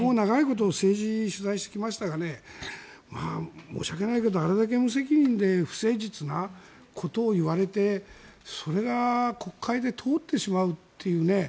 僕も長いこと政治を取材してきましたが申し訳ないけどあれだけ無責任で不誠実なことを言われてそれが国会で通ってしまうというね。